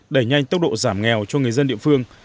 đẩy nhanh tốc độ giảm nghèo cho người dân địa phương